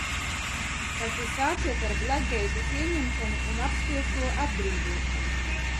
Taču sāciet ar Blekgeitas ieņemšanu un apspiesto atbrīvošanu!